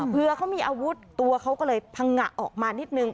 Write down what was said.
เพื่อเขามีอาวุธตัวเขาก็เลยพังงะออกมานิดนึง